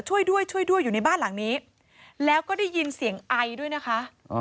ช่วยด้วยช่วยด้วยอยู่ในบ้านหลังนี้แล้วก็ได้ยินเสียงไอด้วยนะคะ